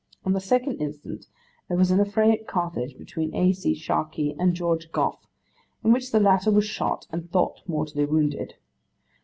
On the 2nd instant, there was an affray at Carthage between A. C. Sharkey and George Goff, in which the latter was shot, and thought mortally wounded.